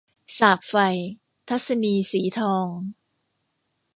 สาปไฟ - ทัศนีย์ สีทอง